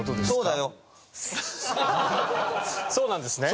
そうなんですね？